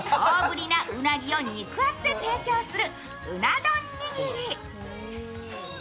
大ぶりなうなぎを肉厚で提供するうな丼にぎり。